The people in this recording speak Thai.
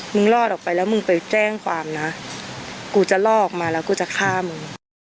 รอดออกไปแล้วมึงไปแจ้งความนะกูจะลอกมาแล้วกูจะฆ่ามึง